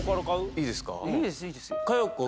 いいですか？